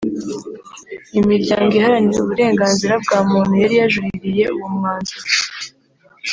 Imiryango iharanira uburenganzira bwa muntu yari yajuririye uwo mwanzuro